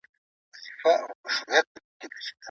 پښتو خبرې ناسم فهم کموي.